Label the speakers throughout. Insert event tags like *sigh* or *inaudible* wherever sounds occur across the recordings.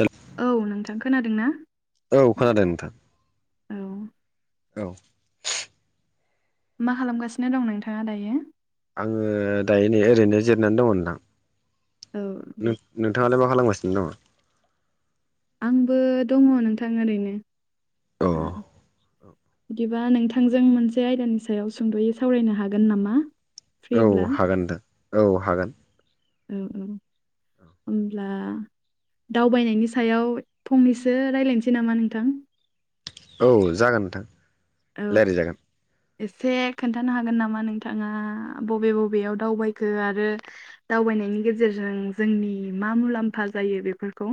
Speaker 1: ओं
Speaker 2: औ नोंथां खोनादों ना
Speaker 1: औ खोनादों नोंथां
Speaker 2: औ
Speaker 1: औ
Speaker 2: मा खालामगासिनो दं नोंथाङा दायो
Speaker 1: आङो दायो नै ओरैनो जिरनानै दंलां
Speaker 2: औ
Speaker 1: नोंथाङालाय मा खालामगासिनो दङ
Speaker 2: आंबो दङ नोंथां ओरैनो
Speaker 1: औ
Speaker 2: बिदिबा नोंथांजों मोनसे आयदानि सायाव सुंद'यै सावरायनो हागोन नामा
Speaker 1: औ
Speaker 2: फ्रिब्ला?
Speaker 1: हागोन दे औ हागोन
Speaker 2: औ औ होनब्ला दावबायनायनि सायाव फंनैसो रायज्लायनोसै नामा नोंथां
Speaker 1: औ जागोन नोंथां
Speaker 2: औ
Speaker 1: रायज्लायजागोन
Speaker 2: एसे खोन्थानो हागोन नामा नोंथाङा बबे बबेयाव दावबायखो आरो दावबायनायनि गेजेरजों जोंनि मा मुलाम्फा जायो बेफोरखौ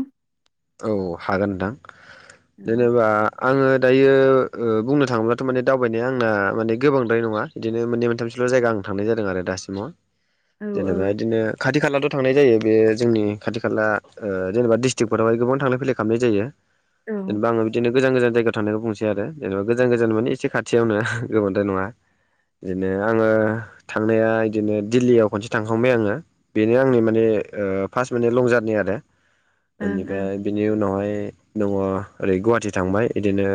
Speaker 1: औ हागोन नोंथां
Speaker 2: औ
Speaker 1: जेनेबा आङो दायो बुंनो थाङोब्लाथ' माने दावबायनाया आंना माने गोबांद्राय नङा बिदिनो मोननै मोनथामसल' जायगा आं थांनाय जादों आरो दासिमाव
Speaker 2: औ
Speaker 1: जेनेबा बिदिनो खाथि खालाथ' थांनाय जायो बे जोंनि खाथि खाला जेनेबा डिस्ट्रिक् बेवहाय गोबांलाय फैलाय खालामनाय जायो
Speaker 2: ओं
Speaker 1: जेनेबा आं बिदिनो गोजान गोजान जायगायाव थानायनायखौ बुंसै आरो जेनेबा गोजान गोजान माने एसे खाथियावनो गोबांथ नङा बिदिनो आङो थांनाया बिदिनो दिल्लीयाव खनसे थांखांबाय आङो बेनो आंनि माने फार्स्ट माने लं जार्नि आरो
Speaker 2: ओं
Speaker 1: बेनिफ्राय बिनि उनावहाय दङ ओरै गुवाहाटिी थांबाय बिदिनो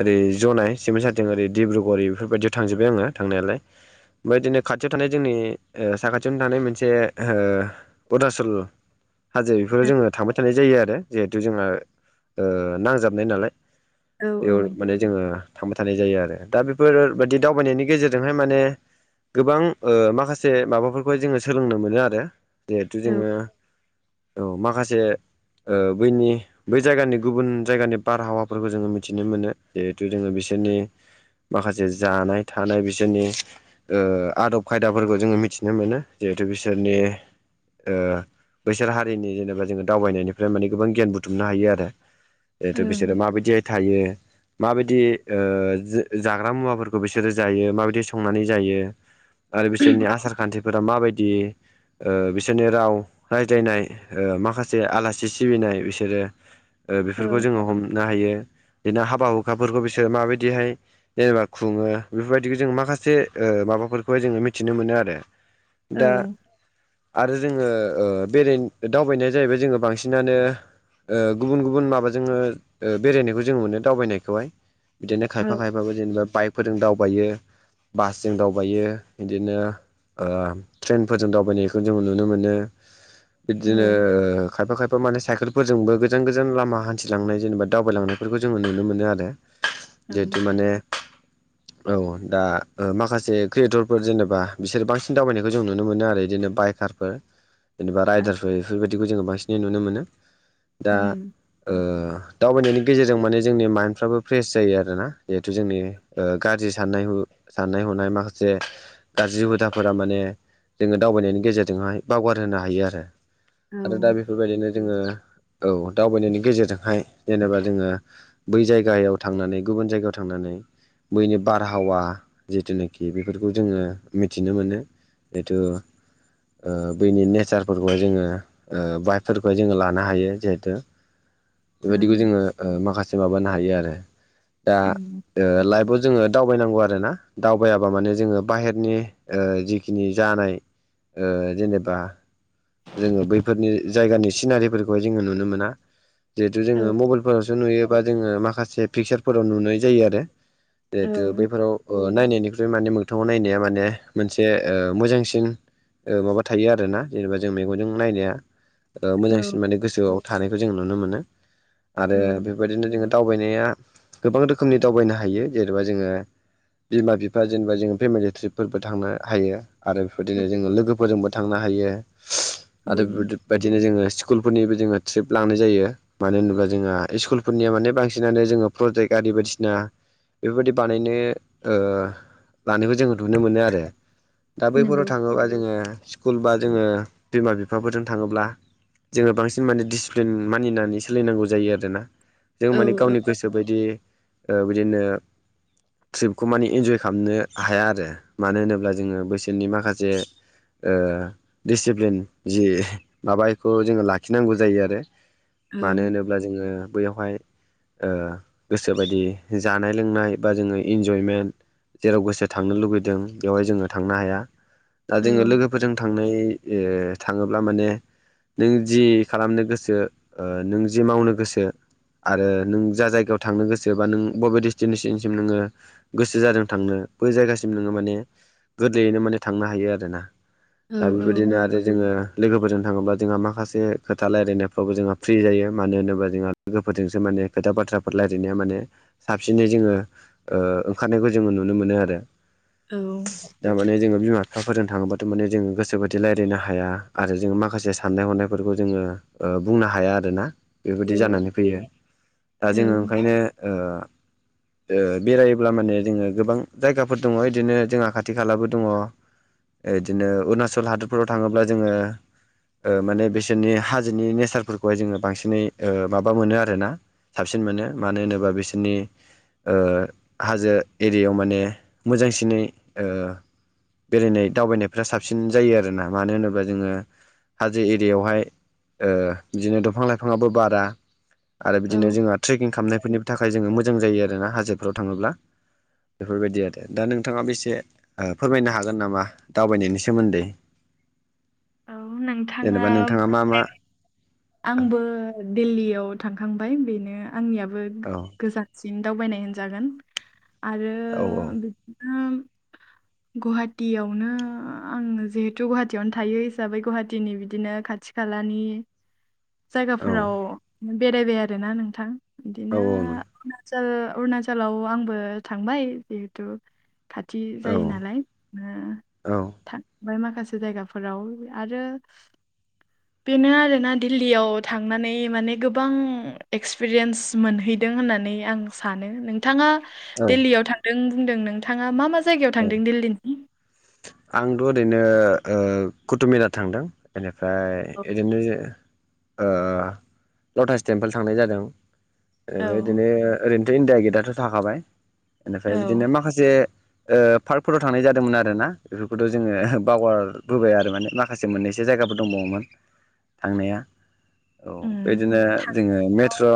Speaker 1: ओरै जनाय सिमेट साराथिं ओरै डब्रुगरि बेफोरबायदियाव थांजोब्बाय आङो थांनायालाय ओमफ्रायदिनो खाथियाव थानाय जोंनि साखाथियावनो थानाय मोनसे खदा सल हाजो बेफोराव
Speaker 2: ओं
Speaker 1: जोङो थांबाय थानाय जायो आरो जिहेथु जोंहा नांजाबनाय नालाय
Speaker 2: औ
Speaker 1: बेयाव माने जोङो थांबाय थानाय जायो आरो दा बेफोरबायाददि दावबायनायनि गेजेरजोंहाय माने गोबां माखासे माबाफोरखौहाय जोङो सोलोंनो मोनो आरो जिहेथु
Speaker 2: औ
Speaker 1: जोङो औ माखासे बैनि बै जायगानि गुबुन जायगानि बारहावाफोरखौ जोङो मिथिनो मोनो जिहेथु जोङो बिसोरनि माखासे जानाय थानाय बिसोरनि आदब खायदाफोरखौ जोङो मिथिनो मोनो जिहेथु बिसोरनि बोसोर हारिनि जेनेबा जोङो दावबायनायनि बेफ्राय माने गोबां गियान बुथुमनो हायो आरो जिेथु बिसोरो
Speaker 2: ओं
Speaker 1: माबायदिहाय थायो माबायदि जाग्रा मुवाफोरखौ बिसोरो जायो माबायदि संनानै जायो
Speaker 2: *inaudible*
Speaker 1: आरो बिसोरनि आसार खान्थिफोरा माबायदि बिसोरनि राव राय्लायनाय माखासे आला सि सिबिनाय बिसोरो
Speaker 2: औ
Speaker 1: बेफोरखौ जोङो हमनो हायो बिदिनो हाबा हुखाफोरखौ बिसोरो माबायदिहाय जेनेबा खुङो बेफोरबायदिखौ जोङो माखासे माबाफोरखौहाय जोङो मिथिनो मोनो आरो
Speaker 2: औ
Speaker 1: दा आरो जोङो बेराय दावबायनाया जाहैबाय जोङो बांसिन बिसिनानो गुबुन गुबुन माबाजोंनो बेरायनायखौ जों मोनो दावबायनायखौहाय बिदिनो
Speaker 2: औ
Speaker 1: खायफा खायफाबो जेनेबा बाइकफोरजों दावबायो बासजों दावबायो बिदिनो ट्रेनफोरजों दावबायनायखौ जों नुनो मोनो
Speaker 2: औ
Speaker 1: बिदिनो खायफा खायफा बे माने साइकेलफोरजोंबो गोजान गोजान लामा हान्थिलांनाय जेनेबा दावबायलांनायफोरखौ जोङो नुनो मोनो आरो जिहेतु
Speaker 2: ओं
Speaker 1: माने
Speaker 2: *inaudible*
Speaker 1: औ दा माखासे क्रियेटरफोर जेनेबा बिसोर बांसिन दावबायनायखौ जों नुनो मोनो आरो जेनेबा बाइकारफोर
Speaker 2: *inaudible*
Speaker 1: जेनेबा
Speaker 2: आब
Speaker 1: रायदारफोर बेफोरबायदिखौ जोङो बांसिनै नुनो मोनो दा
Speaker 2: उम
Speaker 1: ओ
Speaker 2: *inaudible*
Speaker 1: दावबायनायनि गेजेरजों माने जोंनि माइन्दफ्राबो फ्रेस जायो आरोोना जिहेतु जोंनि गाज्रि साननाय ह साननाय हनाय माखासे गाज्रि हुदाफोरा माने जोङो दावबायनायनि गेजेरजोंहाय बावगार होनोनो हायो आरो
Speaker 2: औ
Speaker 1: आरो दा बेफोरबायदिनो जोङो औ दावबायनायनि गेजेरजोंहाय जेनेबा जोङो बै जायगायाव थांनानै गुबुन जायगायाव थांनानै बैनि बारहावा जिथुनाखि बेफोरखौ जोङो मिथिनो मोनो जिथु बनि नेचारफोरखौहाय जोङो बाय फोरखौहाय जोङो लानो हायो जिहेथु बेबायदिखौ
Speaker 2: ओं
Speaker 1: जोङो माखासे माबानो हायो आरो दा
Speaker 2: उम
Speaker 1: लाइफआव जोङो आरो ना दावबायाबा माने जोङो बाहेरनि जिखिनि जानाय जेनेबा जोङो बैफोरनि जायगानि सिनारिफोरखौहाय जोङो नुनो मोना जिहेथु
Speaker 2: औ
Speaker 1: जोङो मबल फोरावसो नुयोबा जोङो माखासे पिकसारफोराव नुनाय जायो आरो
Speaker 2: औ
Speaker 1: जिहेतु बैफोराव नायनायनिख्रुइ माने मोगथाङाव नायनाया माने मोनसे मोजांसिन ओ माबा थायो आरोना जेनेबा जों मेगनजों नायनाया ओ
Speaker 2: औ
Speaker 1: मोजांसिन माने गोसोआव थानायखौ जों नुनो मोनो आरो
Speaker 2: औ
Speaker 1: बे बेबायदिनो जोङो दावबायनाया गोबां रोखोमनि दावबायनो हायो जेनेबा जोङो बिमा-बिफा जेनेबा जोङो फेमिलि ट्रिपफोरबो थांनो हायो आरो बेफोरदिनो जोङो लोगोफोरजोंबो थांनो हायो आरो
Speaker 2: उम
Speaker 1: बेफोरबादि बादिनो जोङो स्कुलफोरनिबो जोङो ट्रिप लांनाय जायो मानो होनोब्ला जोंहा इस्कुलफोरनिया माने बांसिनानो जोङो प्रजेक्ट आरि बायदिसिना बेफोरबायदि बानायनो ओ लानोबो जोङो नुनो मोनो आरो दा बैफोराव
Speaker 2: नंगौ
Speaker 1: थाङोबा जोङो स्कुल बा जोङो बिमा-बिफाफोरजों थाङोब्ला जोङो बांसिन माने डिसिप्लिन मानिनानै सोलिनांगौ जायो आरोना जों
Speaker 2: औ
Speaker 1: माने गावनि गोसो बायदि ओ बिदिनो ट्रिपखौ मानि इन्जय खामनो हाया आरो मानो होनोब्ला जोङो बैसोरनि माखासे ओ दिसिप्लिन जि माबाखौ जोङो लाखिनांगौ जायो आरो
Speaker 2: औ
Speaker 1: मानो होनोब्ला जोङो बैयावहाय ओ गोसोबायदि जानाय-लोंनाय बा जोङो इन्जयमेन्ट जेराव गोसो थांनो लुुबैदों बेवहाय जोङो थांनो हाया दा
Speaker 2: औ
Speaker 1: जोङो लोगोफोरजों थांनाय ओ थाङोब्ला माने नों जि खालामनो गोसो ओ नों जि मावनो गोसो आरो नों जा जायगायाव थांनो गोसोबा नों बबे डेस्टिनेसनसिम नोङो गोसो जादों थांनो बै जायगासिम नोङो माने गोदोयैनो माने थांनो हायो आरोना
Speaker 2: औ
Speaker 1: दा बेबायदिनो आरो जोङो लोगोफोरजों थाङोब्ला जोंहा माखासे खोथा रायलायनायफ्रावबो जोंहा फ्रि जायो मानो होनोबा जोंहा लोगोफोरजोंसो माने खोथा बाथ्राफोर रायलायनाया माने साबसिनै जोङो ओ ओंखारनायखौ जोङो नुनो मोनो आरो
Speaker 2: औ
Speaker 1: दा माने जोङो बिमा-बिफाफोरजों थाङोबाथ' माने जों गोसोबायदि रायलायनो हाया आरो जों माखासे जे साननाय-हनायफोरखौ जोङो ओ बुंनो हाया आरोना बिबायदि
Speaker 2: औ
Speaker 1: जानानै फैयो दा जोङो
Speaker 2: औ
Speaker 1: ओंखायनो ओ ओ बेरायोब्ला माने जोङो गोबां जायगाफोर दङ' इदिनो जोंहा खाथि खालाबो दङ' ओ इदिनो अरुणाचल हादरफोराव थाङोब्ला जोङो ओ माने बिसोरनि हाजोनि नेचारफोरखौहाय जोङो बांसिनै ओ माबा मोनो आरोना साबसिन मोनो मानो होनोबा बिसोरनि ओ हाजो एरियायाव माने मोजांसिनै ओ बेरायनाय दावबायनायफोरा साबसिन जायो आरोना मानो होनोब्ला जोङो हाजो एरियावहाय ओ बिदिनो दंफां-लाइफाङाबो बारा आरो
Speaker 2: औ
Speaker 1: बिदिनो जोंहा ट्रेकिं खामनायफोरनिबो थाखाय जोङो मोजां जायो आरोना हाजोफोराव थाङोब्ला बेफोरबायदि आरो दा नोंथाङाबो एसे फोरमायनो हागोन नामा दावबायनायनि सोमोन्दै
Speaker 2: औ नोंथाङा
Speaker 1: जेनेबा नोंथाङा मा मा
Speaker 2: बे आंबो दिल्लियाव थांखांबाय बेनो आंनियाबो
Speaker 1: औ
Speaker 2: गोजान सिन दावबायनाय होनजागोन आरो
Speaker 1: औ
Speaker 2: बिदिनो गुवाहाटियावनो आं जिहेथु गुवाहाटियावनो थायो हिसाबै गुहाटिनि बिदिनो खाथि खालानि
Speaker 1: औ
Speaker 2: जायगाफोराव बेरायबाय आरोना नोंथां
Speaker 1: औ
Speaker 2: बिदिनो
Speaker 1: औ नों
Speaker 2: अरुणाचल अरुणचलाव आंबो थांबाय जिहेथु खाथि
Speaker 1: औ
Speaker 2: जायो नालाय ओ
Speaker 1: औ
Speaker 2: थां बाय माखासे जायगाफोराव आरो बेनो आरोना दिल्लीयाव थांनानै माने गोबां एक्सपिरियेन्स मोनहैदों होननानै आं सानो नोंथाङा
Speaker 1: औ
Speaker 2: दिल्लीयाव थांदों बुंदों नोंथाङा मा मा जायगायाव थांदों दिल्लीनि
Speaker 1: आंथ' ओरैनो ओ कुटुबमिनार थांदों। बेनिफ्राय ओरैनो लटास टेम्पोल थांनाय जादों ओफ्राय
Speaker 2: औ
Speaker 1: बिदिनो ओरैनोथ' इण्डिया गेटआथ' थाखाबाय बेनिफ्राय
Speaker 2: औ
Speaker 1: बिदिनो माखासे पार्कफोराव थांनाय जादोंमोन आरो ना बेफोरखौथ' जोंङो बावगारबोबाय आरो माने माखासे मोननैसो जायगाफोर दंबावोमोन थांनाया औ
Speaker 2: उम
Speaker 1: बेदिनो जोंङो मेट्र'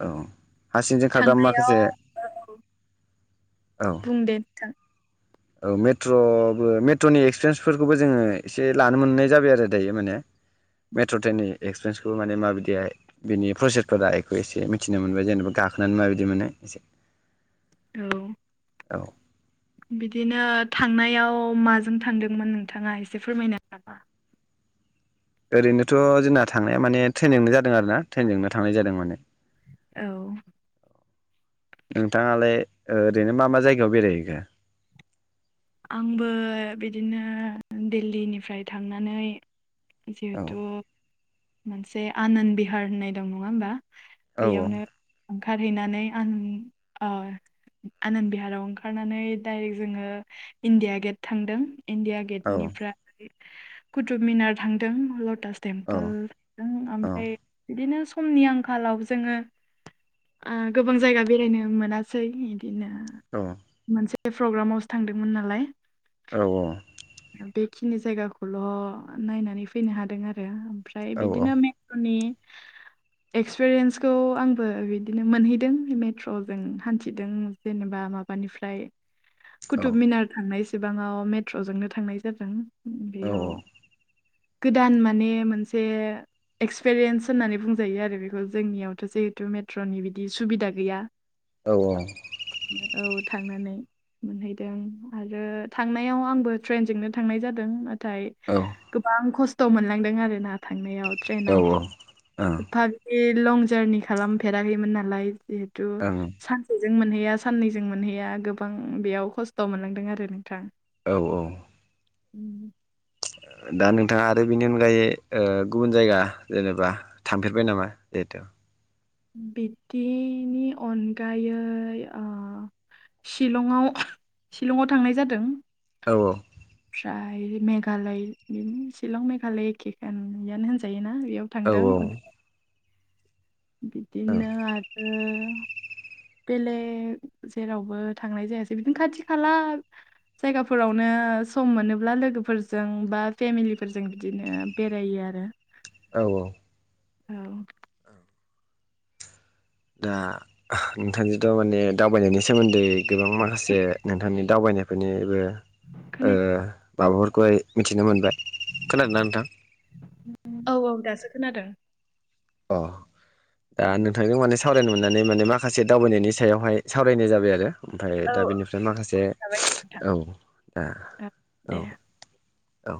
Speaker 1: औ सिंजों खारग्रा
Speaker 2: थांनायाव
Speaker 1: माखासे
Speaker 2: औ औ
Speaker 1: औ
Speaker 2: बुं दे नोंथां
Speaker 1: औ मेट्र'बो मेट्र'नि एक्सपिरियेन्सफोरखौबो जोंङो एसे लानो मोननाय जाबाय आरो दायो माने मेट्र' ट्रेननि एक्पिरियन्सखौ माने माबायदिहाय बिनि प्रसेसफोरा बेखौ एसे मिथिनो मोनबाय जेनेबा गाखोनानै माबायदि मोनो एसे
Speaker 2: औ
Speaker 1: औ
Speaker 2: बिदिनो थांनायाव माजों थांदोंमोन नोंथांङा एसे फोरमायनो नामा?
Speaker 1: ओरैनोथ' जोंना थांनाया माने ट्रेनजोंनो जादों आरोना ट्रेनजोंनो थांनाय जादों माने
Speaker 2: औ
Speaker 1: नोंथांङालाय ओरैनो मा मा जायगायाव बेरायहैखो
Speaker 2: आंबो बिदिनो दिल्लीनिफ्राय थांनानै जिहेथु
Speaker 1: औ
Speaker 2: मोनसे आनन्द बिहार होननाय दं नंङा होमबा
Speaker 1: औ
Speaker 2: बेयावनो ओंखारहैनानै आं आनन्द बिहाराव ओंखारनानै डायरेक्ट जोंङो इण्डिया गेट थांदों इण्डिया
Speaker 1: औ
Speaker 2: गेटनिफ्राय ओ कुटुब मिनार थांदों लटास
Speaker 1: औ
Speaker 2: टेम्पोल थांदों
Speaker 1: औ
Speaker 2: ओमफ्राय बिदिनो समनि आंखालाव जोंङो गोबां जायगा बेरायनो मोनासै बिदिनो
Speaker 1: औ
Speaker 2: मोनसे प्रग्रामावसो थांदोंमोन नालाय
Speaker 1: औ औ
Speaker 2: बेखिनि जायगाखौल' नायनानै फैनो हादों आरो ओमफ्राय बिदिनो नि एक्सपिरियेन्सखौ आंबो बिदिनो मोनहैदों मेट्र'जों हान्थिदों जेनेबा माबानिफ्राय कुटुब मिनार थांनाय सिबांङाव मेट्र'जोंनो थांनाय जादों बेयाव गोदान माने मोनसे एक्सपेरयेन्स होननानै बुंजायो आरो बेखौ जोंनियावथ' जिहेथु मेट्र'नि बिदि सुबिदा गैया।
Speaker 1: औ औ
Speaker 2: औ थांनानै मोनहै आरो थांनायाव आंबो ट्रेनजोंनो थांनाय जादों। नाथाय
Speaker 1: औ
Speaker 2: गोबां खस्थ' मोनलांदों आरो ना थांनायाव ट्रेनाव
Speaker 1: ओं
Speaker 2: एफाब लं जारनि खालामफेराखैमोन नालाय जि
Speaker 1: ओं
Speaker 2: सानसेजों मोनहैया साननैजों मोनहैया गोबां बेयाव खस्थ' खस्थ' मोननांदों आरो नोंथां
Speaker 1: औ औ
Speaker 2: उम
Speaker 1: दा नोंथांङा आरो बेनि अनगायै गुबुन जायगा जेनेबा थांफेरबाय नामा देथु
Speaker 2: बिदिनि अनगायै शिलंआव शिलंआव थांनाय जादों
Speaker 1: औ औ
Speaker 2: *unintelligible* ओमफ्राय मेघालय बि शिलं मेघालय एकेकानयानो होनजायोना बेयाव
Speaker 1: औ
Speaker 2: थांदों
Speaker 1: ओं
Speaker 2: ओमफ्राय बिदिनो आरो बेलेग जेरावबो थांनाय जायासै बिदिनो खाथि खाला जायगाफोरावनो सम मोनोब्ला लोगोफोरजों बा फेमिलिफोरजों बिदिनो बेरायो आरो *inaudible*
Speaker 1: औ औ
Speaker 2: औ
Speaker 1: दा नोंथांजोंथ' माने दावबायनायनि सोमोन्दै गोबां माखासे नोंथांनि दावबायनायफोरनिबो
Speaker 2: खोनाया
Speaker 1: माबाफोरखौहाय मिथिनो मोनबाय खोनादों ना नोंथां
Speaker 2: औ औ दासो खोनादों
Speaker 1: अ दा नोंथांनो माने सावरायनो मोननानै माने माखासे दावबायनायनि सायावहाय सावरायनाय जाबाय आरो ओमफ्राय
Speaker 2: औ
Speaker 1: दा बेनिफ्राय ओमफ्राय माखासे
Speaker 2: जाबाय
Speaker 1: औ
Speaker 2: नोंथां
Speaker 1: दा औ
Speaker 2: दे
Speaker 1: औ